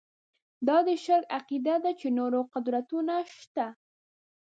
دا د شرک عقیده ده چې نور قدرتونه شته.